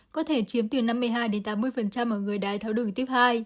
có thể chiếm từ năm mươi hai tám mươi ở người đái tháo đường tiếp hai